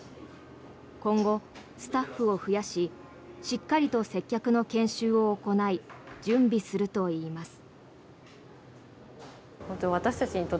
今後、スタッフを増やししっかりと接客の研修を行い準備するといいます。